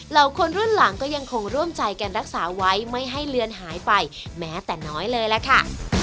คนรุ่นหลังก็ยังคงร่วมใจกันรักษาไว้ไม่ให้เลือนหายไปแม้แต่น้อยเลยล่ะค่ะ